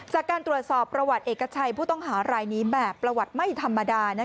จากการตรวจสอบประวัติเอกชัยผู้ต้องหารายนี้แบบประวัติไม่ธรรมดา